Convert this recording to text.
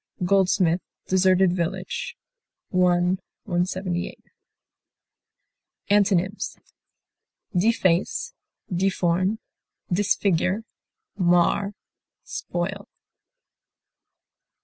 GOLDSMITH Deserted Village, l. 178. Antonyms: deface, deform, disfigure, mar, spoil.